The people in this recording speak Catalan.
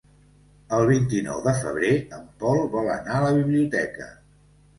El vint-i-nou de febrer en Pol vol anar a la biblioteca.